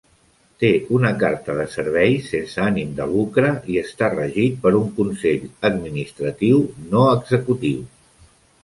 Té una carta de serveis sense ànim de lucre i està regit per un consell administratiu no executiu.